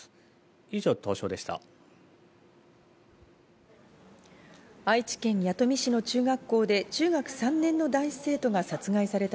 以上、東証でした。